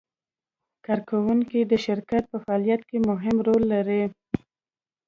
کارکوونکي د شرکت په فعالیت کې مهم رول لري.